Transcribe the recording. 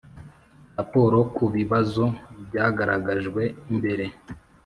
raporo ku bibazo byagaragajwe mbere